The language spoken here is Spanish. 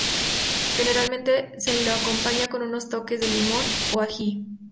Generalmente se lo acompaña con unos toques de limón o ají.